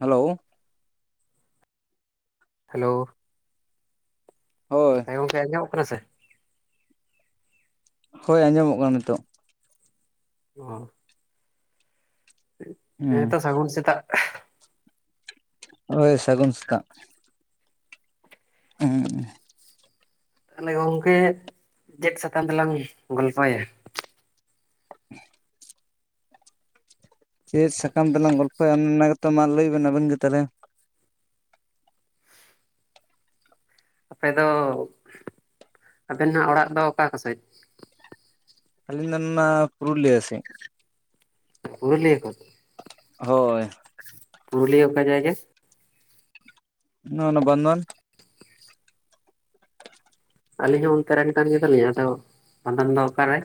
Hello hello ᱦᱳᱭᱻ ᱦᱮᱸ ᱜᱚᱝᱠᱮ ᱟᱸᱡᱚᱜ ᱠᱟᱱᱟ ᱥᱮ ᱦᱳᱭ ᱟᱸᱡᱚᱢᱚᱜ ᱠᱟᱱᱟ ᱱᱤᱛᱳᱜ ᱦᱚᱸ ᱦᱩᱸ ᱦᱮᱸᱛᱚ ᱥᱟᱹᱜᱩᱱ ᱥᱮᱛᱟᱜ ᱦᱳᱭ ᱥᱟᱹᱜᱩᱱ ᱥᱮᱛᱟᱜ ᱦ [unintelligible] ᱛᱟᱦᱚᱞᱮ ᱜᱚᱝᱠᱮ ᱪᱮᱫ ᱥᱟᱛᱟᱢ ᱛᱮᱞᱟᱝ ᱜᱚᱞᱯᱚᱭᱟ [inaudible] ᱪᱮᱫ ᱥᱟᱠᱟᱢ ᱛᱮᱞᱟᱝ ᱜᱚᱞᱯᱷᱚᱭᱟ ᱚᱱᱟ ᱜᱮᱛᱚ ᱢᱟ ᱞᱟᱹᱭ ᱵᱮᱱ ᱟᱵᱮᱱ ᱜᱮ ᱛᱟᱦᱞᱮ ᱟᱯᱮ ᱫᱚ, ᱟᱵᱮᱱ ᱱᱟᱜ ᱚᱲᱟᱜ ᱫᱚ ᱚᱠᱟ ᱠᱚᱥᱮᱡ ᱟᱞᱤᱧ ᱫᱚ ᱚᱱᱟᱻᱱᱟ ᱯᱩᱨᱞᱤᱭᱟᱹ ᱥᱮᱡ ᱯᱩᱨᱩᱞᱤᱭᱟᱹ ᱠᱚᱫ ᱦᱳᱭᱻ ᱯᱩᱨᱩᱞᱤᱭᱟᱹ ᱚᱠᱟ ᱡᱟᱭᱜᱟ? ᱱᱚᱣᱟ ᱱᱚᱣᱟ ᱵᱟᱱᱫᱚᱣᱟᱱ ᱟᱹᱞᱤᱧ ᱦᱚᱸ ᱚᱱᱛᱮ ᱨᱮᱱ ᱠᱟᱱ ᱜᱮᱭᱟᱞᱤᱧ ᱟᱫᱚ ᱵᱟᱱᱫᱚᱣᱟᱱ ᱫᱚ ᱚᱠᱟᱨᱮ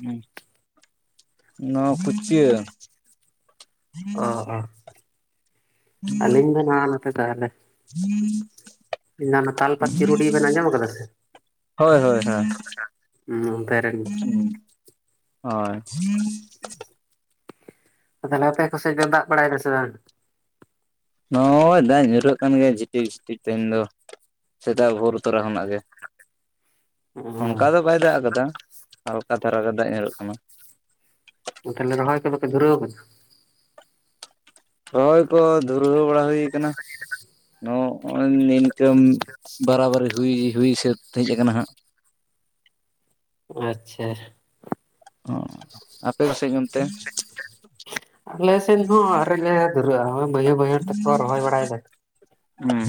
ᱦᱸᱻ ᱱᱚᱣᱟ ᱠᱩᱪᱪᱟᱹ [inaudible] ᱚ ᱚ ᱟᱹᱞᱤᱧ ᱢᱟ ᱱᱟᱣᱟ ᱱᱚᱛᱮ ᱛᱟᱦᱚᱞᱮ ᱦᱮᱸ [inaudible] ᱚᱱᱟ ᱛᱟᱞᱯᱟᱛ ᱪᱤᱨᱩᱰᱤ ᱵᱮᱱ ᱟᱡᱚᱢ ᱟᱠᱟᱫᱟ ᱥᱮ ᱦᱳᱭᱻᱦᱳᱭᱻᱦᱳᱭᱻ ᱦᱩᱸ ᱚᱱᱛᱮ ᱨᱮᱱ ᱦᱚᱸ ᱦᱳᱭ [inaudible] ᱛᱟᱦᱞᱮ ᱟᱯᱮ ᱠᱚ ᱥᱮᱡ ᱫᱚ ᱫᱟᱜ ᱵᱟᱲᱟᱭ ᱮᱫ ᱥᱮ ᱵᱟᱝ ᱱᱚᱭ ᱫᱟᱜ ᱧᱩᱨᱦᱟᱹᱜ ᱠᱟᱱ ᱜᱮᱭᱟ ᱡᱷᱤᱴᱤᱠ ᱡᱷᱤᱴᱤᱠ ᱛᱮᱦᱮᱧ ᱫᱚ ᱥᱮᱛᱟᱜ ᱵᱷᱳᱨ ᱛᱚᱨᱟ ᱠᱷᱚᱱᱟᱜ ᱜᱮ ᱚᱱᱠᱟ ᱫᱚ ᱵᱟᱭ ᱫᱟᱜ ᱠᱟᱫᱟ ᱦᱟᱞᱠᱟ ᱫᱷᱟᱨᱟ ᱜᱮ ᱫᱟᱜ ᱧᱩᱨᱩᱜ ᱠᱟᱱᱟ ᱛᱟᱦᱮᱞᱮ ᱨᱚᱦᱚᱭ ᱠᱚᱫᱚ ᱯᱮᱭᱟ ᱫᱷᱩᱨᱟᱹᱣ ᱟᱠᱟᱱᱟ ᱨᱚᱦᱚᱭ ᱠᱚ ᱫᱷᱩᱨᱟᱹᱣ ᱵᱟᱲᱟ ᱦᱩᱭ ᱟᱠᱟᱱᱟ ᱱᱚ ᱱᱚᱜᱼᱚᱭ ᱱᱤᱱᱠᱟᱹᱢ ᱵᱟᱨᱟᱵᱟᱨᱤ ᱦᱩᱭ ᱦᱩᱭ ᱥᱟᱹᱛ ᱦᱮᱡ ᱟᱠᱟᱱᱟ ᱦᱟᱜ᱾ ᱟᱪᱪᱷᱟ ᱚᱸ ᱟᱯᱮ ᱠᱚᱥᱮᱡ ᱚᱱᱛᱮ ᱟᱞᱮ ᱥᱮᱱ ᱦᱚ ᱟᱣᱨᱤ ᱞᱮ ᱫᱷᱩᱨᱟᱹᱜᱼᱟ, ᱱᱚᱜ-ᱚᱭ ᱵᱟᱹᱭᱦᱟᱹᱲ ᱵᱟᱹᱭᱦᱟᱹᱲ ᱛᱮᱠᱚ ᱨᱚᱦᱚᱭ ᱵᱟᱲᱟᱭ ᱫᱟ ᱦᱩᱸ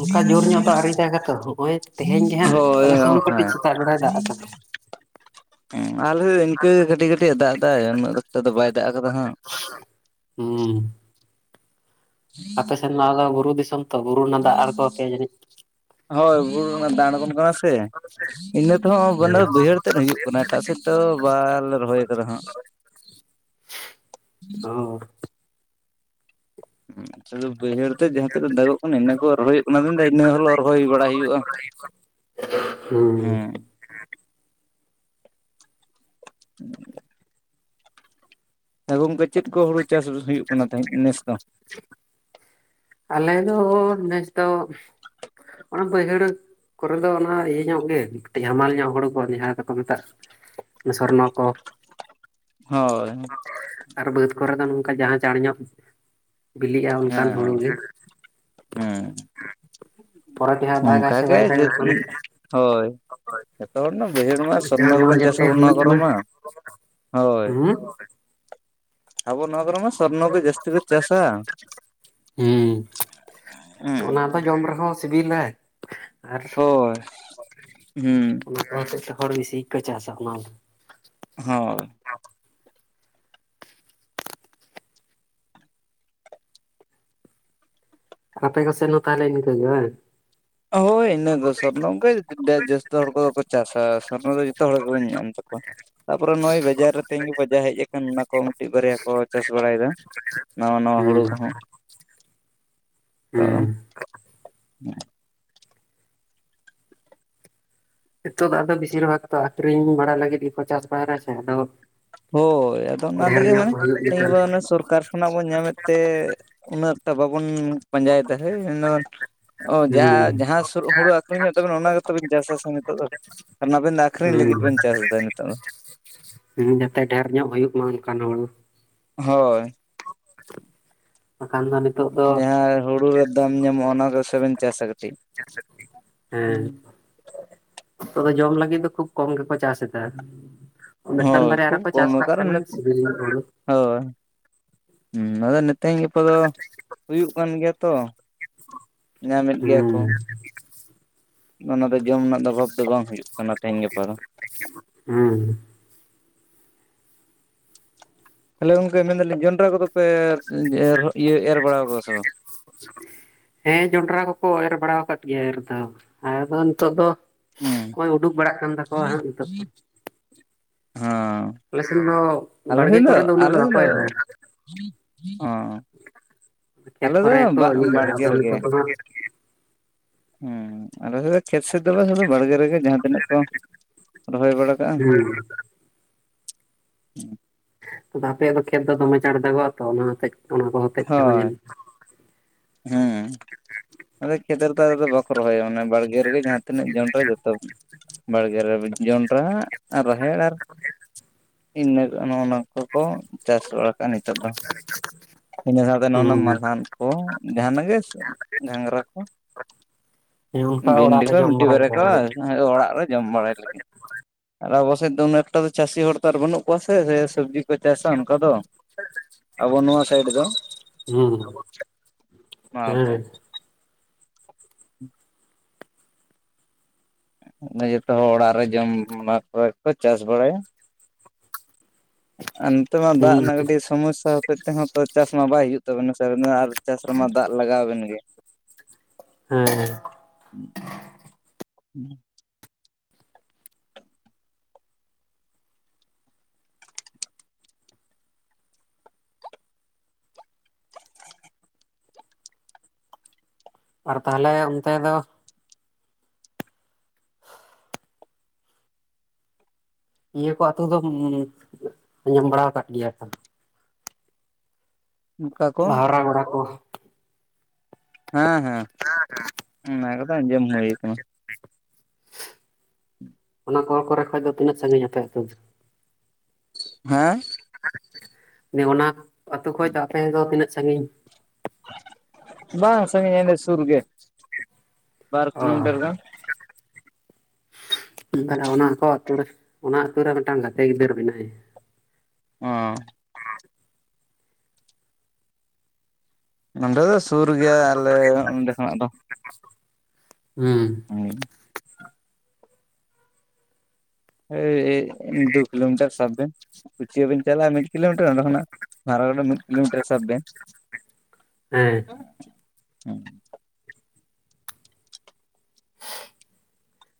ᱚᱱᱠᱟ ᱡᱳᱨ ᱧᱚᱜ ᱫᱚ ᱟᱹᱣᱨᱤ ᱫᱟᱜᱟ ᱛᱚ ᱱᱚᱜᱼᱚᱭ ᱛᱮᱦᱮᱧ ᱜᱮᱦᱟᱸᱜ ᱦᱳᱭ ᱟᱞᱮ ᱥᱮᱫ ᱠᱚᱦᱚᱸ ᱠᱟᱹᱴᱤᱡ ᱥᱮᱛᱟᱜ ᱵᱮᱲᱟᱭ ᱫᱟᱜ ᱟᱠᱟᱫᱟ᱾ ᱟᱞᱮ ᱤᱱᱠᱟᱹᱜ ᱠᱟᱹᱴᱤᱡ ᱠᱟᱹᱴᱤᱡ ᱮ ᱫᱟᱜ ᱮᱫᱫᱟ ᱩᱱᱟᱹᱜ ᱮᱠᱴᱟ ᱫᱚ ᱵᱟᱭ ᱫᱟᱜ ᱟᱠᱟᱫᱟ ᱦᱟᱜ᱾ ᱦᱩᱸᱻ ᱟᱯᱮ ᱥᱮᱱ ᱢᱟ ᱟᱫᱚ ᱵᱩᱨᱩ ᱫᱤᱥᱚᱢ ᱛᱚ, ᱵᱩᱨᱩ ᱨᱮᱱᱟᱜ ᱫᱟᱜ ᱟᱬᱜᱚᱣᱟᱯᱮᱭᱟ ᱡᱟᱹᱱᱤᱡ? ᱦᱳᱭ ᱵᱩᱨᱩ ᱨᱮᱱᱟᱜ ᱫᱟᱜ ᱟᱬᱜᱚᱱ ᱠᱟᱱᱟ ᱥᱮ᱾ ᱤᱱᱟᱹ ᱛᱮᱦᱚᱸ ᱢᱟᱱᱮ ᱵᱟᱹᱭᱦᱟᱹᱲ ᱛᱮᱫ ᱦᱩᱭᱩᱜ ᱠᱟᱱᱟ, ᱮᱴᱟᱜ ᱥᱮᱫ ᱛᱚ ᱵᱟᱞᱮ ᱨᱚᱦᱚᱭ ᱠᱟᱫᱟ ᱦᱟᱸᱜ᱾ [inaudible] [inaudible] ᱚ [unintelligible] ᱵᱟᱹᱭᱦᱟᱹᱲ ᱛᱮ ᱡᱟᱦᱟᱸ ᱛᱤᱱᱟᱹᱜ ᱫᱟᱜᱚᱜ ᱠᱟᱱᱟ ᱤᱱᱟᱹ ᱠᱚ ᱨᱚᱦᱚᱭ ᱦᱩᱭᱩᱜ ᱠᱟᱱᱟ ᱟᱫᱚ ᱢᱮᱱ ᱫᱟᱭ ᱤᱱᱟᱹ ᱦᱚᱞᱮ ᱨᱚᱦᱚᱭ ᱵᱟᱲᱟᱭ ᱦᱩᱭᱩᱜᱼᱟ᱾ [inaudible] ᱦᱩᱸ ᱦᱮᱸ [inaudible] ᱦᱮᱸ ᱜᱚᱝᱠᱮ ᱪᱮᱫ ᱠᱚ ᱦᱩᱲᱩ ᱪᱟᱥ ᱦᱩᱭᱩᱜ ᱠᱟᱱᱟ ᱛᱟᱦᱮᱸᱫ ᱱᱮᱥ ᱫᱚ? ᱟᱞᱮ ᱫᱚ ᱱᱮᱥᱫᱚ ᱚᱱᱟ ᱵᱟᱹᱭᱦᱟᱹᱲ ᱠᱚᱨᱮ ᱫᱚ ᱚᱱᱟ ᱤᱭᱟᱹ ᱧᱚᱜ, ᱠᱟᱴᱤᱡ ᱦᱟᱢᱟᱞ ᱧᱚᱜ ᱦᱩᱲᱩ ᱠᱚ ᱡᱟᱦᱟᱸ ᱫᱚᱠᱚ ᱢᱮᱛᱟᱜ ᱥᱚᱨᱱᱚ ᱠᱚ᱾ ᱦᱳᱭ ᱟᱨ ᱵᱟᱹᱫᱽ ᱠᱚᱨᱮ ᱫᱚ ᱱᱚᱝᱠᱟ ᱡᱟᱦᱟᱸ ᱪᱟᱬ ᱧᱚᱜ ᱵᱤᱞᱤᱜᱼᱟ ᱚᱱᱠᱟᱱ ᱦᱩᱲᱩ ᱦᱮᱸ ᱜᱮ᱾ ᱦᱮᱸ ᱯᱚᱨᱮᱛᱮ ᱦᱟᱜ ᱫᱟᱜᱟᱭ ᱥᱮ ᱚᱱᱠᱟᱜᱮ ᱵᱟᱭ ᱫᱟᱜᱟ [inaudible] ᱦᱳᱭ ᱡᱚᱛᱚ ᱦᱚᱲ ᱢᱟ ᱵᱟᱹᱭᱦᱟᱹᱲ ᱢᱟ ᱪᱟᱬ ᱥᱚᱨᱱᱚ ᱢᱟᱲ ᱜᱮᱵᱚᱱ ᱪᱟᱥ ᱡᱟᱛᱮ ᱟᱵᱚᱱ ᱱᱚᱣᱟ ᱦᱩᱭᱩᱜ ᱠᱚᱨᱚ ᱢᱟ᱾ ᱦᱳᱭ ᱦᱩᱸ ᱟᱵᱚ ᱱᱚᱣᱟ ᱠᱚᱨᱮᱢᱟ ᱥᱚᱨᱱᱚ ᱜᱮ ᱡᱟᱹᱥᱛᱤ ᱠᱚ ᱪᱟᱥᱟ᱾ ᱦᱩᱸ, ᱚᱱᱟ ᱫᱚ ᱡᱚᱢ ᱨᱮᱦᱚᱸ ᱥᱤᱵᱤᱞᱟ᱾ ᱟᱨ ᱦᱳᱭ ᱦᱩᱸ ᱚᱱᱟ ᱠᱚ ᱦᱚᱛᱮᱡ ᱛᱮ ᱦᱚᱲ ᱵᱤᱥᱤ ᱠᱚ ᱪᱟᱥᱟ ᱚᱱᱟ ᱦᱳᱸᱭ ᱟᱯᱮ ᱠᱚ ᱥᱮᱱ ᱦᱚᱸ ᱛᱟᱦᱚᱞᱮ ᱤᱱᱠᱟᱹ ᱜᱮ ᱵᱟᱝ? ᱦᱳᱭ ᱤᱱᱟᱹ ᱫᱚ ᱥᱚᱨᱱᱚ ᱜᱮ ᱡᱟᱹᱥᱛᱤ ᱦᱚᱲ ᱠᱚᱫᱚ ᱠᱚ ᱪᱟᱥᱟ ᱥᱚᱨᱱᱚ ᱫᱚ ᱡᱚᱛᱚ ᱦᱚᱲ ᱜᱮᱵᱚᱱ ᱧᱮᱞ ᱛᱟᱠᱚᱣᱟ᱾ ᱛᱟᱯᱚᱨᱮ ᱱᱚᱜᱼᱚᱭ ᱵᱮᱡᱟᱨ ᱨᱮ ᱛᱮᱧ ᱜᱮ ᱵᱟᱡᱟ ᱦᱮᱡ ᱟᱠᱟᱱ ᱚᱱᱟ ᱠᱚ ᱢᱤᱫᱴᱤᱡ ᱵᱟᱨᱭᱟ ᱠᱚ ᱪᱟᱥ ᱵᱟᱲᱟᱭᱮᱫᱟ᱾ ᱱᱟᱣᱟ ᱱᱟᱣᱟ ᱦᱩᱸ ᱦᱩᱲᱩ ᱠᱚᱦᱚᱸ᱾ ᱦᱩᱸ [unintelligible] ᱱᱤᱛᱚᱜ ᱫᱚ ᱟᱫᱚ ᱵᱤᱥᱤᱨ ᱵᱷᱟᱜᱽ ᱟᱠᱷᱨᱤᱧ ᱵᱟᱲᱟ ᱞᱟᱹᱜᱤᱫ ᱜᱮᱠᱚ ᱪᱟᱥ ᱵᱟᱲᱟᱭᱟ ᱥᱮ ᱟᱫᱚ ᱦᱳᱭ ᱟᱫᱚ ᱚᱱᱟ ᱰᱷᱮᱨ ᱛᱮᱜᱮ ᱧᱚᱜ ᱢᱟᱱᱮ ᱦᱩᱭᱩᱜ ᱞᱮᱠᱟᱱ [unintelligible] ᱥᱚᱨᱠᱟᱨ ᱠᱷᱚᱱᱟᱜ ᱵᱚᱱ ᱧᱟᱢᱮᱫ ᱛᱮ ᱩᱱᱟᱹᱜᱴᱟ ᱵᱟᱵᱚᱱ ᱯᱟᱸᱡᱟᱭᱮᱫᱟ ᱦᱳᱭ ᱢᱮᱱ ᱚ ᱡᱟᱦᱟ ᱦᱩᱸ ᱡᱟᱦᱟᱸ ᱥᱩᱨ ᱦᱩᱲᱩ ᱟᱹᱠᱷᱨᱤᱧᱚᱜ ᱛᱟᱵᱤᱱᱟ ᱚᱱᱟ ᱜᱮᱛᱚᱵᱮᱱ ᱪᱟᱥ ᱟᱥᱮ ᱱᱤᱛᱚᱜ ᱫᱚ᱾ ᱱᱟᱵᱤᱱ ᱫᱚ ᱟᱠᱷᱨᱤᱧ ᱞᱟᱹᱜᱤᱫ ᱵᱮᱱ ᱪᱟᱥ ᱮᱫᱟ ᱱᱤᱛᱚᱜ ᱫᱚ᱾ ᱦᱮᱸ ᱡᱟᱛᱮ ᱰᱷᱮᱨ ᱧᱚᱜ ᱦᱩᱭᱩᱜ ᱢᱟ ᱚᱱᱠᱟᱱ ᱦᱚᱲ ᱦᱳᱭ ᱟᱠᱷᱟᱫᱟᱱ [unintelligible] ᱡᱟᱦᱟᱸ ᱦᱩᱲᱩ ᱨᱮ ᱫᱟᱢ ᱧᱟᱢᱚᱜᱼᱟ ᱚᱱᱟ ᱠᱚᱥᱚᱵᱤᱱ ᱪᱟᱥ ᱟᱠᱟᱫᱟ ᱦᱮᱸ ᱱᱤᱛᱚᱜ ᱫᱚ ᱡᱚᱢ ᱞᱟᱹᱜᱤᱫ ᱫᱚ ᱠᱷᱩᱵ ᱠᱚᱢ ᱜᱮᱠᱚ ᱪᱟᱥ ᱮᱫᱟ᱾ ᱢᱤᱫᱴᱟᱝ ᱦᱳᱭ ᱵᱟᱨᱭᱟ ᱨᱮ ᱠᱷᱩᱵ ᱠᱚ ᱠᱚᱢ ᱪᱟᱥ ᱠᱟᱜ ᱠᱟᱨᱚᱱ ᱠᱟᱱᱟ ᱥᱤᱵᱤᱞ ᱧᱚᱜ ᱦᱩᱲᱩ᱾ ᱦᱳᱭ ᱦᱩᱸ ᱟᱫᱚ ᱱᱤᱛᱮᱧ ᱜᱟᱯᱟ ᱫᱚ ᱦᱩᱭᱩᱜ ᱠᱟᱱ ᱜᱮᱭᱟ ᱛᱚ᱾ ᱧᱟᱢ ᱮᱫ ᱜᱮᱭᱟ ᱠᱚ᱾ ᱦᱩᱸ ᱚᱱᱟ ᱫᱚ ᱡᱚᱢ ᱨᱮᱱᱟᱜ ᱫᱚ ᱚᱵᱷᱟᱵᱽ ᱫᱚ ᱵᱟᱝ ᱦᱩᱭᱩᱜ ᱠᱟᱱᱟ ᱛᱮᱦᱮᱧ ᱜᱟᱯᱟ ᱫᱚ ᱾ ᱦᱮᱸ ᱾ ᱛᱟᱦᱚᱞᱮ ᱜᱚᱝᱠᱮ ᱢᱮᱱᱮᱫᱟᱞᱤᱧ ᱡᱚᱱᱰᱽᱨᱟ ᱠᱚᱫᱚ ᱯᱮ ᱤᱭᱟᱹ ᱮᱨ ᱵᱟᱲᱟ ᱠᱟᱫᱟ ᱥᱮ ᱵᱟᱝ? ᱦᱮᱸ ᱡᱚᱱᱰᱽᱨᱟ ᱠᱚᱠᱚ ᱮᱨ ᱵᱟᱲᱟ ᱟᱠᱟᱫ ᱜᱮᱭᱟ ᱮᱨ ᱫᱚ ᱟᱫᱚ ᱱᱤᱛᱚᱜ ᱫᱚ ᱾ ᱦᱳᱭ ᱩᱰᱩᱠ ᱵᱟᱲᱟᱜ ᱠᱟᱱ ᱛᱟᱠᱚᱣᱟ ᱦᱟᱸᱜ ᱱᱤᱛᱚᱜ ᱫᱚ ᱾ ᱦᱚᱸᱻ ᱥᱮᱱ ᱫᱚ ᱟᱞᱮ ᱵᱟᱲᱜᱮ ᱥᱮᱱ ᱫᱚ ᱠᱚᱨᱮ ᱩᱱᱟᱹᱜ ᱟᱞᱮ ᱥᱮᱱ ᱵᱟᱠᱚ ᱫᱚ ᱮᱨᱟ [inaudible] ᱦᱚᱸᱼᱼ ᱠᱷᱮᱛ ᱟᱞᱮ ᱫᱚ ᱠᱚᱨᱮ ᱠᱚ ᱵᱟᱜ ᱤᱭᱟᱹ ᱠᱟᱜᱼᱟ ᱵᱟᱲᱜᱮ ᱟᱫᱚ ᱨᱮᱜᱮ ᱱᱤᱛᱚᱜ ᱫᱚ ᱦᱟᱸᱜ ᱾ ᱦᱮᱸ ᱟᱞᱮ ᱫᱚ ᱠᱷᱮᱛ ᱥᱮᱫ ᱫᱚ ᱵᱟᱝ ᱥᱩᱫᱩ ᱵᱟᱲᱜᱮ ᱨᱮᱜᱮ ᱡᱟᱦᱟᱸ ᱛᱤᱱᱟᱹᱜ ᱠᱚ ᱨᱚᱦᱚᱭ ᱵᱟᱲᱟ ᱠᱟᱜᱼᱟ ᱾ ᱟᱫᱚ ᱟᱯᱮᱭᱟᱜ ᱫᱚ ᱠᱷᱮᱛ ᱫᱚ ᱫᱚᱢᱮ ᱪᱟᱬ ᱫᱟᱜᱚᱜᱼᱟ ᱛᱚ ᱚᱱᱟ ᱦᱚᱛᱮᱡ ᱚᱱᱟ ᱠᱚ ᱦᱚᱛᱮᱡ ᱛᱮᱦᱚᱸ ᱧᱮᱞᱚᱜᱼᱟ ᱼᱼ ᱦᱩᱸᱻ ᱟᱫᱚ ᱠᱷᱮᱛ ᱨᱮ ᱫᱚ ᱵᱟᱠᱚ ᱨᱮᱫᱚ ᱵᱟᱠᱚ ᱨᱚᱦᱚᱭᱟ ᱢᱟᱱᱮ ᱵᱟᱲᱜᱮ ᱨᱮᱜᱮ ᱡᱟᱦᱟᱸ ᱛᱤᱱᱟᱹᱜ ᱡᱚᱱᱰᱽᱨᱟ ᱡᱚᱛᱚ ᱼᱼ ᱵᱟᱲᱜᱮ ᱨᱮ ᱡᱚᱱᱰᱽᱨᱟ ᱨᱟᱦᱮᱲ ᱟᱨ ᱤᱱᱟᱹ ᱠᱚ ᱱᱚᱜᱼᱱᱟ ᱼᱼ ᱠᱚᱠᱚ ᱪᱟᱥ ᱵᱟᱲᱟ ᱠᱟᱜᱼᱟ ᱱᱤᱛᱚᱜ ᱫᱚ᱾ ᱤᱱᱟᱹ ᱥᱟᱶᱛᱮ ᱱᱚᱜᱼᱱᱟ ᱢᱟᱞᱦᱟᱱ ᱠᱚ ᱡᱟᱦᱟᱱᱟᱜ ᱜᱮ ᱜᱷᱟᱸᱜᱷᱨᱟ ᱠᱚ ᱾ ᱦᱮᱸ ᱚᱱᱠᱟ ᱵᱷᱤᱱᱰᱤ ᱚᱲᱟᱜ ᱨᱮ ᱠᱚ ᱡᱚᱢ ᱢᱤᱫᱴᱤᱡ ᱵᱟᱲᱟ ᱵᱟᱨᱭᱟ ᱞᱮᱠᱟ ᱠᱚ ᱞᱟᱹᱜᱤᱫ ᱚᱲᱟᱜ ᱨᱮ ᱡᱚᱢ ᱵᱟᱲᱟᱭ ᱞᱟᱹᱜᱤᱫ ᱾ ᱟᱨ ᱟᱵᱚ ᱥᱮᱫ ᱫᱚ ᱩᱱᱟᱹ ᱮᱠᱴᱟ ᱫᱚ ᱪᱟᱥᱤ ᱦᱚᱲ ᱛᱚ ᱟᱨ ᱵᱟᱹᱱᱩᱜ ᱠᱚᱣᱟ ᱥᱮ ᱡᱮ ᱥᱚᱵᱽᱡᱤ ᱠᱚ ᱪᱟᱥᱟ ᱚᱱᱠᱟ ᱫᱚ ᱟᱵᱚ ᱱᱚᱣᱟ ᱥᱟᱭᱤᱰ ᱫᱚ ᱾ ᱦᱩᱸ ᱾ ᱱᱚᱣᱟ ᱛᱮ ᱼᱼ [inaudible] ᱚᱱᱮ ᱡᱚᱛᱚ ᱦᱚᱲ ᱚᱲᱟᱜ ᱨᱮ ᱡᱚᱢ ᱚᱱᱟ ᱠᱚᱜᱮ ᱠᱚ ᱪᱟᱥ ᱵᱟᱲᱟᱭᱟ ᱾ ᱟᱨ ᱱᱤᱛᱚᱜ ᱢᱟ ᱫᱟᱜ ᱦᱮᱸ ᱨᱮᱱᱟᱜ ᱠᱟᱹᱴᱤᱡ ᱥᱚᱢᱚᱥᱥᱟ ᱦᱚᱛᱮᱡ ᱛᱮᱦᱚᱸ ᱛᱚ ᱪᱟᱥ ᱢᱟ ᱵᱟᱭ ᱦᱩᱭᱩᱜ ᱛᱟᱵᱮᱱᱟ ᱥᱮ ᱟᱵᱮᱱ ᱟᱨ ᱼᱼ ᱪᱟᱥ ᱨᱮᱢᱟ ᱫᱟᱜ ᱞᱟᱜᱟᱣ ᱟᱵᱮᱱ ᱜᱮ ᱾ ᱦᱮᱸᱻ [inaudible] ᱟᱨ ᱛᱟᱦᱚᱞᱮ ᱚᱱᱛᱮ ᱫᱚ ᱤᱭᱟᱹ ᱠᱚ ᱟᱛᱳ ᱫᱚᱢᱻ ᱟᱡᱚᱢ ᱵᱟᱲᱟ ᱟᱠᱟᱫ ᱜᱮᱭᱟ ᱛᱚᱼᱼ ᱚᱱᱠᱟ ᱠᱚ ᱢᱟᱦᱨᱟᱜᱚᱲᱟ ᱠᱚ ᱾ ᱦᱮᱸ ᱦᱮᱸ ᱚᱱᱟ ᱠᱚᱫᱚ ᱟᱡᱚᱢ ᱦᱩᱭ ᱟᱠᱟᱱᱟ ᱾ [inaudible] [inaudible] ᱚᱱᱟ ᱠᱚ ᱠᱚᱨᱮ ᱠᱷᱚᱡ ᱫᱚ ᱛᱤᱱᱟᱹᱜ ᱥᱟᱹᱜᱤᱧ ᱟᱯᱮ ᱟᱛᱳ? ᱦᱮᱸ ᱼᱼ ᱚᱱᱟ ᱟᱹᱛᱳ ᱠᱷᱚᱡ ᱫᱚ ᱟᱯᱮ ᱫᱚ ᱛᱤᱱᱟᱹᱜ ᱥᱟᱺᱜᱤᱧ? ᱵᱟᱝ ᱥᱟᱺᱜᱤᱧᱟ ᱚᱸᱰᱮ ᱥᱩᱨ ᱜᱮ ᱵᱟᱨ ᱠᱤᱞᱳ ᱚ ᱢᱤᱴᱟᱨ ᱜᱟᱱ ᱾ [inaudible] ᱛᱟᱦᱚᱞᱮ ᱚᱱᱟ ᱠᱚ ᱟᱹᱛᱩ ᱨᱮ ᱚᱱᱟ ᱟᱹᱛᱩ ᱨᱮ ᱢᱤᱫ ᱴᱟᱝ ᱜᱟᱛᱮ ᱜᱤᱫᱟᱹᱨ ᱢᱮᱱᱟᱭᱟ ᱾ ᱚᱸᱻ ᱱᱚᱰᱮ ᱫᱚ ᱥᱩᱨ ᱜᱮᱭᱟ ᱟᱞᱮ ᱱᱚᱸᱰᱮ ᱠᱷᱚᱱᱟᱜ ᱫᱚ ᱾ ᱦᱩᱸ ᱾ [unintelligible] ᱟᱹᱭ ᱫᱩ ᱠᱤᱞᱳ ᱢᱤᱴᱟᱨ ᱥᱟᱵ ᱵᱮᱱ ᱾ ᱠᱩᱪᱤᱭᱟᱹ ᱵᱮᱱ ᱪᱟᱞᱟᱜᱼᱟ ᱢᱤᱫ ᱠᱤᱞᱳᱢᱤᱴᱟᱨ, ᱚᱰᱮ ᱠᱷᱚᱱᱟᱜ ᱟᱨᱚ ᱢᱤᱫ ᱠᱤᱞᱳ ᱢᱤᱴᱟᱨ ᱥᱟᱵ ᱵᱮᱱ ᱾ [inaudible] ᱦᱮᱸ ᱾ [inaudible]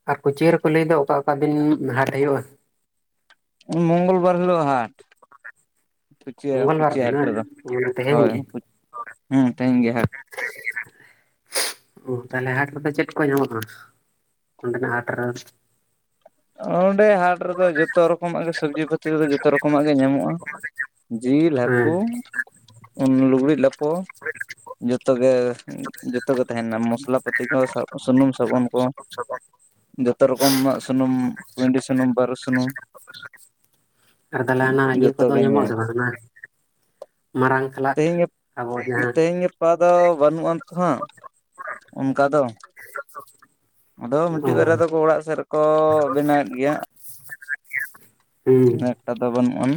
ᱟᱨ ᱠᱩᱪᱤᱭᱟᱹ ᱨᱮᱠᱚ ᱞᱟᱹᱭ ᱫᱚ ᱚᱠᱟ ᱚᱠᱟ ᱫᱤᱱ ᱦᱟᱴ ᱦᱩᱭᱩᱜᱼᱟ? ᱢᱚᱝᱜᱚᱞ ᱵᱟᱨ ᱦᱤᱞᱳᱜᱦᱟᱴ ᱾ [unintelligible] ᱢᱚᱝᱜᱚᱞ ᱵᱟᱨ ᱠᱩᱪᱤᱭᱟ ᱫᱤᱱ ᱦᱟᱴ ᱨᱮ ᱵᱟᱝ ᱫᱚ, ᱚᱱᱟ ᱛᱮᱦᱮᱧ ᱦᱳᱭ ᱜᱮ ᱦᱮᱸ ᱛᱮᱦᱮᱧ ᱜᱮ ᱦᱟᱴ ᱾ [inaudible] ᱚ ᱛᱟᱦᱚ ᱞᱮ ᱦᱟᱴ ᱨᱮᱫᱚ ᱪᱮᱫ ᱠᱚ ᱧᱟᱢᱚᱜᱼᱟ? ᱚᱸᱰᱮᱱᱟᱜ ᱦᱟᱴ ᱨᱮ᱾ ᱚᱸᱰᱮ ᱦᱟᱴ ᱨᱮᱫᱚ ᱡᱚᱛᱚ ᱨᱚᱠᱚ ᱢᱟᱜ ᱜᱮ ᱥᱚᱵᱽᱡᱤ ᱯᱟᱹᱛᱤ ᱫᱚ ᱡᱚᱛᱚ ᱨᱚᱠᱚ ᱢᱟᱜ ᱜᱮ ᱧᱟᱢᱚᱜᱼᱟ᱾ ᱦᱮᱸ ᱡᱤᱞ-ᱦᱟᱹᱠᱩ, ᱞᱩᱜᱽᱲᱤᱡ- ᱞᱟᱯᱚ᱾ ᱡᱚᱛᱚᱜ ᱜᱮ ᱡᱚᱛᱚᱜ ᱜᱮ ᱛᱟᱦᱮᱱᱟ᱾ ᱢᱚᱥᱞᱟ, ᱯᱟᱹᱛᱤ ᱠᱚ, ᱥᱩᱱᱩᱢ-ᱥᱟᱵᱚᱱ ᱡᱚᱛᱚ ᱨᱚᱠᱚ ᱢᱟᱜ ᱥᱩᱱᱩᱢ, ᱠᱩᱩᱭᱰᱤ ᱥᱩᱱᱩᱢ, ᱵᱟᱹᱨᱩ ᱥᱩᱱᱩᱢ, [unintelligible] ᱟᱨ ᱛᱟᱞᱮᱦᱮ ᱦᱟᱱᱟ ᱤᱭᱟᱹ ᱡᱚᱛᱚ ᱠᱚᱫᱚ ᱜᱮ ᱧᱟᱢᱚᱜ ᱧᱟᱢ ᱟᱥᱮ ᱵᱟᱝ ᱢᱟᱨᱟᱝ ᱠᱷᱟᱞᱟᱜ ᱛᱮᱦᱮᱧ ᱟᱵᱚ ᱡᱟᱦᱟᱸ [unintelligible] ᱫᱚ ᱵᱟᱹᱱᱩᱜ ᱟᱱ ᱛᱚ ᱦᱟᱸᱜ ᱚᱱᱠᱟ ᱫᱚ [unintelligible] ᱟᱫᱚ ᱢᱤᱫ ᱚ ᱴᱤᱡ ᱵᱟᱨᱭᱟ ᱫᱚᱠᱚ ᱚᱲᱟᱜ ᱥᱮᱫ ᱨᱮᱠᱚ ᱵᱮᱱᱟᱣ ᱮᱫ ᱜᱮᱭᱟ᱾ ᱦᱩᱸ [unintelligible] ᱫᱚ ᱵᱟᱹᱱᱩᱜ ᱟᱱ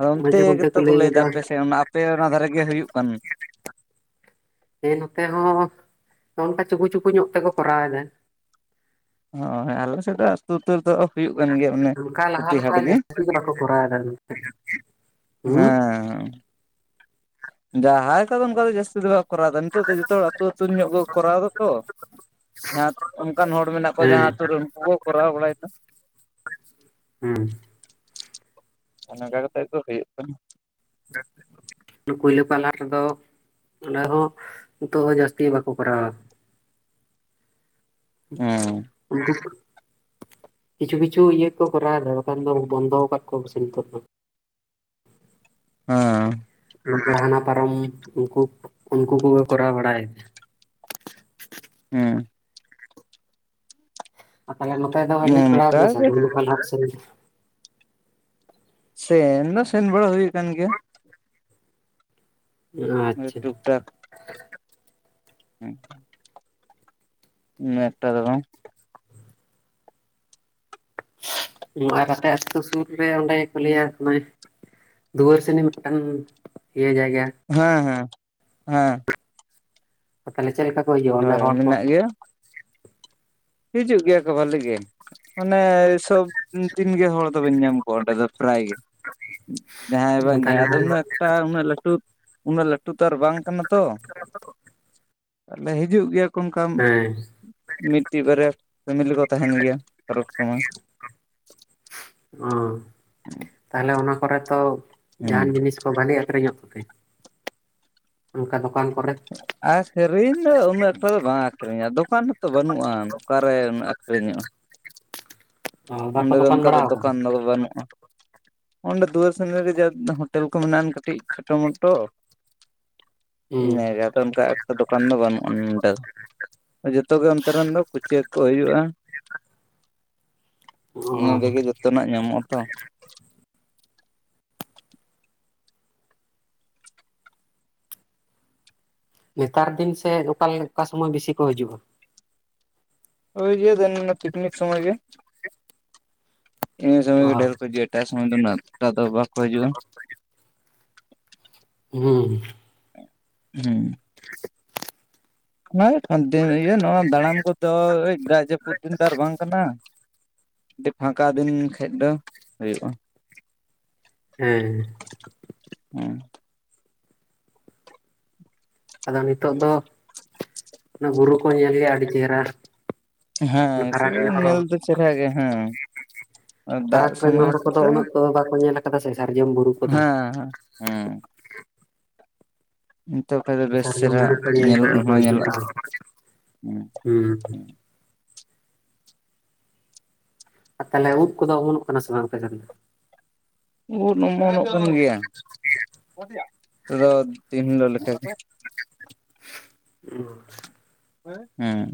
ᱟᱫᱚ ᱚᱱᱛᱮ ᱢᱟᱡᱷᱮ ᱢᱚᱫᱽᱫᱷᱮ ᱜᱮᱛᱚ ᱠᱚ ᱞᱟᱹᱭ ᱫᱟ᱾ ᱜᱚᱫᱟ ᱟᱯᱮ ᱥᱮᱫ ᱚᱱᱟ ᱟᱯᱮ ᱚᱱᱟ ᱫᱷᱟᱨᱮ ᱜᱮ ᱦᱩᱭᱩᱜ ᱠᱟᱱ ᱦᱮᱸ ᱱᱚᱛᱮ ᱦᱚᱸ ᱱᱚᱜ ᱝᱠᱟ ᱪᱩᱠᱩ ᱪᱩᱠᱩ ᱧᱚᱜ ᱛᱮᱠᱚ ᱠᱚᱨᱟᱣ ᱮᱫᱟ᱾ ᱚ ᱟᱞᱮ ᱥᱮᱫ ᱫᱚ ᱟᱛᱩ ᱩᱛᱩᱨ ᱫᱚ ᱦᱩᱭᱩᱜ ᱠᱟᱱ ᱜᱮᱭᱟ᱾ ᱚᱱᱮ ᱚᱱᱠᱟ ᱞᱟᱦᱟ ᱯᱨᱚᱛᱤ ᱦᱟᱴ ᱞᱮᱠᱟ ᱡᱟᱹᱥᱛᱤ ᱜᱮ ᱵᱟᱠᱚ ᱠᱚᱨᱟᱣ ᱫᱟ [unintelligible] ᱦᱩᱸ ᱦᱩᱸ ᱡᱟᱦᱟᱸᱭ ᱠᱚᱫᱚ ᱚᱱᱠᱟ ᱫᱚ ᱡᱟᱹᱥᱛᱤ ᱫᱚ ᱵᱟᱠᱚ ᱠᱚᱨᱟᱣ ᱫᱟ ᱱᱤᱛᱚᱜ ᱫᱚ ᱡᱚᱛᱚ ᱦᱚᱲ ᱟᱹᱛᱩ ᱟᱹᱛᱩ ᱧᱚᱜ ᱜᱮᱠᱚ ᱠᱚᱨᱟᱣ ᱫᱟᱛᱚ᱾ ᱡᱟᱦᱟᱸ ᱚᱱᱠᱟᱱ ᱦᱚᱲ ᱢᱮᱱᱟᱜ ᱠᱚᱣᱟ ᱡᱟᱦᱟᱸ ᱦᱮᱸ ᱟᱛᱩ ᱨᱮᱱ ᱩᱱᱠᱩ ᱠᱚ ᱠᱚᱨᱟᱣ ᱵᱟᱲᱟᱭᱮᱫᱟ᱾ ᱦᱩᱸ ᱱᱮᱰᱟ ᱠᱟᱛᱮᱫ ᱫᱚ ᱦᱩᱭᱩᱜ ᱠᱟᱱᱟ᱾ ᱠᱩᱭᱞᱟᱹᱯᱟᱞ ᱦᱟᱴ ᱨᱮᱫᱚ ᱚᱱᱟ ᱦᱚᱸ ᱱᱤᱛᱚᱜ ᱡᱟᱹᱥᱛᱤ ᱵᱟᱠᱚ ᱠᱚᱨᱟᱣ- ᱟ᱾ ᱚ [unintelligible] ᱠᱤᱪᱷᱩ ᱠᱤᱪᱷᱩ ᱤᱭᱟᱹ ᱠᱚ ᱠᱚᱨᱟᱣ ᱫᱟ ᱵᱟᱠᱷᱟᱱ ᱫᱚ ᱵᱚᱱᱫᱚ ᱟᱠᱟᱫ ᱠᱚᱣᱟ ᱠᱚ ᱱᱤᱛᱚᱜ ᱫᱚ᱾ ᱦᱩᱸ ᱦᱟᱱᱟ ᱯᱟᱨᱚᱢ ᱩᱱᱠᱩ ᱩᱱᱠᱩ ᱠᱚᱜᱮ ᱠᱚᱨᱟᱣ ᱵᱟᱲᱟᱭ ᱜᱮᱭᱟ᱾ ᱦᱩᱸ ᱟᱨ ᱛᱟᱦᱚᱞᱮ ᱱᱚᱛᱮ ᱫᱚ ᱦᱮᱸ ᱦᱮᱡ ᱵᱟᱲᱟᱣ ᱚᱱᱠᱟ ᱜᱮ ᱟᱠᱟᱱᱟ ᱥᱮ? ᱥᱮᱱ ᱫᱚ ᱥᱮᱱ ᱵᱟᱲᱟ ᱦᱩᱭ ᱠᱟᱱ ᱜᱮᱭᱟ᱾ ᱴᱩᱠ ᱟᱪᱪᱷᱟ ᱴᱟᱠ ᱦᱮᱸ ᱩᱱᱟᱹᱜ ᱮᱠᱴᱟ ᱫᱚ ᱵᱟᱝ᱾ ᱚᱱᱟ ᱠᱟᱛᱮ ᱟᱛᱩ ᱥᱩᱨ ᱨᱮ ᱚᱸᱰᱮ ᱠᱚ ᱞᱟᱹᱭᱟ ᱾ ᱫᱩᱣᱟᱹᱨ ᱥᱮᱱᱤ ᱢᱤᱫᱴᱟᱝ ᱤᱭᱟᱹ ᱡᱟᱭᱜᱟ᱾ ᱦᱮᱸ ᱦᱮᱸ ᱦᱮᱸ ᱛᱟᱦᱚᱞᱮ ᱪᱮᱫ ᱞᱮᱠᱟ ᱠᱚ ᱦᱩᱭᱩᱜᱼᱟ ᱚᱸᱰᱮ ᱦᱳᱭ ᱦᱚᱲ ᱠᱚ? ᱢᱮᱱᱟᱜ ᱜᱮᱭᱟ ᱦᱤᱡᱩᱜ ᱜᱮᱭᱟ ᱠᱚ ᱵᱷᱟᱹᱞᱤ ᱜᱮ ᱢᱟᱱᱮ ᱥᱚᱵ ᱛᱤᱱᱜᱮ ᱦᱚᱲ ᱫᱚ ᱵᱤᱱ ᱧᱟᱢ ᱠᱚᱣᱟ ᱚᱸᱰᱮ ᱫᱚ ᱯᱨᱟᱭ ᱜᱮ᱾ ᱡᱟᱦᱟᱸᱭ ᱵᱟᱝ ᱡᱟᱦᱟᱸᱭ ᱛᱟᱦᱚᱞᱮ ᱟᱫᱚ ᱩᱱᱟᱹᱜ ᱮᱠᱴᱟ ᱩᱱᱟᱹᱜ ᱞᱟᱹᱴᱩ ᱩᱱᱟᱹᱜ ᱞᱟᱹᱴᱩ ᱞᱟᱹᱴᱩ ᱛᱚ ᱟᱨ ᱵᱟᱝ ᱠᱟᱱᱟ ᱛᱚ ᱛᱟᱦᱚᱞᱮ ᱦᱤᱡᱩᱜ ᱜᱮᱭᱟ ᱠᱚ ᱚᱱᱠᱟ᱾ ᱦᱮᱸ ᱢᱤᱫᱴᱤᱡ ᱵᱟᱨᱭᱟ ᱯᱷᱮᱢᱮᱞᱤ ᱠᱚ ᱛᱟᱦᱮᱱ ᱜᱮᱭᱟ ᱯᱚᱨᱚᱵ ᱥᱚᱢᱚᱭ᱾ ᱚ ᱛᱟᱦᱚᱞᱮ ᱚᱱᱟ ᱠᱚᱨᱮ ᱛᱚ ᱦᱮᱸ ᱡᱟᱦᱟᱱ ᱡᱤᱱᱤᱥ ᱠᱚ ᱵᱷᱟᱞᱮ ᱟᱠᱷᱨᱤᱧᱚᱜ ᱛᱟᱯᱮᱭᱟ᱾ ᱚᱱᱠᱟ ᱫᱚᱠᱟᱱ ᱠᱚᱨᱮ ᱟᱹᱠᱷᱨᱤᱧ ᱫᱚ ᱩᱱᱟᱹᱜ ᱮᱠᱴᱟ ᱫᱚ ᱵᱟᱝ ᱟᱹᱠᱷᱨᱤᱧᱚᱜ-ᱟ, ᱫᱚᱠᱟᱱ ᱦᱚᱸᱛᱚ ᱵᱟᱹᱱᱩᱜᱼᱟ ᱚᱠᱟᱨᱮ ᱟᱹᱠᱷᱨᱤᱧᱚᱜᱼᱟ᱾ ᱵᱟᱠᱚ ᱚᱸᱰᱮ ᱫᱚ ᱫᱚᱠᱟᱱ ᱚᱱᱠᱟ ᱫᱚ ᱵᱟᱲᱟ ᱟᱠᱟᱫᱟ ᱫᱚᱠᱟᱱ ᱫᱚ ᱵᱟᱹᱱᱩᱜᱼᱟ᱾ ᱚᱸᱰᱮ ᱫᱩᱣᱟᱹᱨᱥᱤᱱᱤ ᱨᱮ ᱡᱟ ᱦᱳᱴᱮᱞ ᱠᱚ ᱢᱮᱱᱟᱜ-ᱟ ᱠᱟᱹᱴᱤᱡ ᱪᱷᱳᱴᱳ ᱢᱚᱴᱳ ᱾ ᱦᱩᱸ ᱤᱱᱟᱹᱜᱮ ᱟᱫᱚ ᱚᱱᱠᱟ ᱮᱠᱴᱟ ᱫᱚᱠᱟᱱ ᱫᱚ ᱵᱟᱱᱩᱜᱼᱟ ᱱᱚᱰᱮ ᱫᱚ ᱾ ᱡᱚᱛᱚ ᱜᱮ ᱚᱱᱛᱮ ᱨᱮᱱ ᱫᱚ ᱠᱩᱪᱟᱹ ᱠᱚ ᱦᱩᱭᱩᱜᱼᱟ ᱾ ᱚ [unintelligible] ᱚᱱᱰᱮ ᱜᱮ ᱡᱚᱛᱚᱱᱟᱜ ᱧᱟᱢᱚᱜᱼᱟ ᱛᱚ ᱾ ᱱᱮᱛᱟᱨ ᱫᱤᱱ ᱥᱮ ᱚᱠᱟ ᱞᱮ [unintelligible] ᱚᱠᱟ ᱥᱚᱢᱚᱭ ᱵᱤᱥᱤ ᱠᱚ ᱦᱤᱡᱩᱜᱼᱟ? [unintelligible] ᱯᱤᱠᱱᱤᱠ ᱥᱚᱢᱚᱭ ᱜᱮ ᱤᱱ ᱚ ᱥᱚᱢᱚᱭ ᱜᱮ ᱰᱷᱮᱨ ᱠᱚ ᱦᱤᱡᱩᱜ-ᱟ ᱾ ᱮᱴᱟᱜ ᱥᱚᱢᱚᱭ ᱫᱚ ᱩᱱᱟᱹᱜ ᱮᱠᱴᱟ ᱫᱚ ᱵᱟᱠᱚ ᱦᱤᱡᱩᱜᱼᱟ ᱾ ᱦᱩᱸ ᱦᱩᱸ [unintelligible] ᱵᱟᱝ ᱱᱚᱣᱟ ᱫᱟᱲᱟᱱ ᱠᱚᱫᱚ ᱫᱟᱜ ᱡᱟᱹᱯᱩᱫ ᱫᱤᱱ ᱫᱚ ᱟᱨ ᱵᱟᱝ ᱠᱟᱱᱟ ᱾ [unintelligible] ᱯᱷᱟᱸᱠᱟ ᱫᱤᱱ ᱠᱷᱟᱡ ᱫᱚ ᱦᱳᱭᱳᱜᱼᱟ ᱾ ᱦᱮᱸ ᱦᱩᱸ ᱟᱫᱚ ᱱᱤᱛᱚᱜ ᱫᱚ ᱵᱩᱨᱩ ᱠᱚ ᱧᱮᱞ ᱜᱮᱭᱟ ᱟᱹᱰᱤ ᱪᱮᱦᱮᱨᱟ ᱾ ᱦᱮᱸ ᱱᱤᱛᱚᱜ ᱫᱚ ᱧᱮᱞ ᱫᱚ ᱪᱮᱦᱮᱨᱟ ᱜᱮ ᱦᱮᱸ ᱾ ᱫᱟᱜ ᱯᱷᱟᱨᱟᱠ ᱨᱮᱱ ᱥᱚᱢᱚᱭ ᱦᱚᱲ ᱠᱚᱫᱚ ᱠᱚᱛᱚ ᱩᱱᱟᱹᱜ ᱫᱚ ᱵᱟᱠᱚ ᱧᱮᱞ ᱟᱠᱟᱫᱟ ᱥᱮ ᱥᱟᱨᱡᱚᱢ ᱵᱩᱨᱩ ᱠᱚᱫᱚ ᱦᱮᱸ ᱦᱮᱸ ᱱᱤᱛᱚᱜ ᱠᱷᱟᱱ ᱫᱚ ᱵᱮᱥ ᱥᱟᱨᱡᱚᱢ ᱪᱮᱨᱦᱟ ᱵᱩᱨᱩ ᱠᱚ ᱧᱮᱞ ᱠᱚᱜᱮ ᱧᱮᱞᱚᱜ ᱠᱚ ᱦᱚᱸ ᱦᱤᱡᱩᱜᱼᱟ ᱧᱮᱞᱚᱜᱼᱟ ᱦᱩᱸ ᱛᱟᱦᱚᱞᱮ ᱩᱫ ᱠᱚᱫᱚ ᱩᱢᱩᱜ ᱠᱟᱱᱟ ᱥᱮ ᱵᱟᱝ? [inaudible] ᱩᱫ ᱚᱢᱚᱱᱚᱜ ᱠᱟᱱ ᱜᱮᱭᱟ ᱱᱚᱛᱮ ᱫᱚ ᱫᱤᱱ ᱦᱤᱞᱳᱜ ᱞᱮᱠᱟᱜᱮ ᱾ [inaudible] ᱦᱮᱸ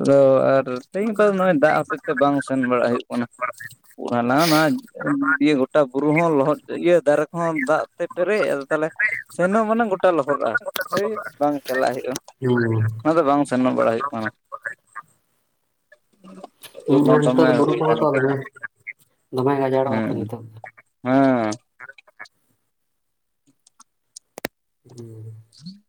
ᱟᱫᱚ ᱟᱨ ᱛᱤᱦᱮᱧ ᱛᱚ ᱱᱚᱜᱼᱚᱭ ᱫᱟᱜ ᱦᱚᱛᱚ? ᱵᱟᱝ ᱥᱮᱱ ᱵᱟᱲᱟᱜ ᱦᱩᱭᱩᱜ ᱠᱟᱱᱟ ᱾ ᱵᱞᱟ ᱱᱚᱣᱟ ᱫᱤᱭᱮ ᱜᱚᱴᱟ ᱵᱩᱨᱩ ᱦᱚᱸ ᱞᱚᱦᱚᱫ ᱤᱭᱟᱹ ᱫᱟᱨᱮ ᱠᱚᱦᱚᱸ ᱫᱟᱜ ᱛᱮ ᱯᱮᱨᱮᱡ ᱟ ᱛᱟᱦᱚᱞᱮᱼᱼ ᱥᱮᱱᱚᱜ ᱢᱟᱱᱮ ᱜᱚᱴᱟ ᱞᱚᱦᱚᱫᱚᱜᱼᱟ, ᱦᱟᱹᱭ ᱵᱟᱝ ᱪᱟᱞᱟᱜ ᱦᱩᱭᱩᱜᱼᱟ ᱾ ᱦᱩᱸ ᱚᱱᱟᱛᱮ ᱵᱟᱝ ᱥᱮᱱᱚᱜ ᱵᱟᱲᱟᱭ ᱦᱩᱭᱩᱜ ᱠᱟᱱᱟ ᱾ ᱤᱧ ᱦᱟᱜ ᱱᱤᱛᱚ ᱫᱚ ᱵᱩᱨᱩ ᱯᱩᱨᱩ ᱥᱚᱫ ᱨᱮᱜᱮ ᱫᱚᱢᱮ ᱜᱟᱡᱟᱲ ᱲᱚᱜᱟ ᱛᱚ ᱱᱤᱛ ᱫᱚ ᱾ ᱦᱟᱸ [unintelligible] ᱦᱮᱸ